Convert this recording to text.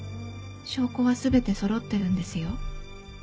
「証拠は全てそろってるんですよ。